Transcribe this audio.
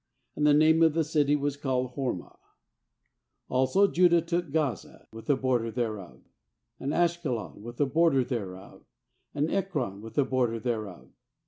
And the name of the city was called Hormah. 18Also" Judah took Gaza with the bor der thereof, and Ashkelon with the border thereof, and Ekron with the border thereof.